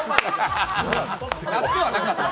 なってはなかった。